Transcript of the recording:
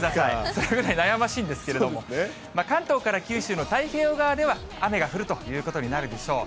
それぐらい悩ましいんですけれども、関東から九州の太平洋側では雨が降るということになるでしょう。